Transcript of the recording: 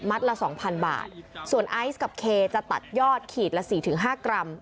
ละสองพันบาทส่วนไอซ์กับเคจะตัดยอดขีดละสี่ถึงห้ากรัม